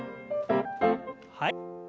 はい。